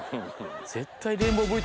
絶対。